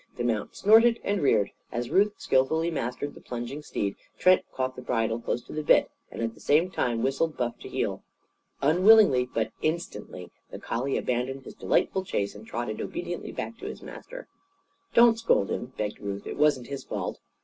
The mount snorted and reared. As Ruth skilfully mastered the plunging steed, Trent caught the bridle, close to the bit, and at the same time whistled Buff to heel. Unwillingly, but instantly, the collie abandoned his delightful chase and trotted obediently back to his master. "Don't scold him!" begged Ruth. "It wasn't his fault!"